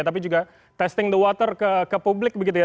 tapi juga testing the water ke publik begitu ya